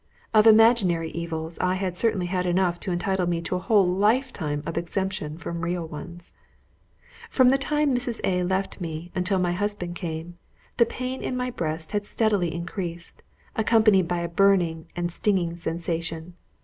Of imaginary evils I had certainly had enough to entitle me to a whole lifetime exemption from real ones. From the time Mrs. A left me until my husband came in, the pain in my breast had steadily increased, accompanied by a burning and stinging sensation.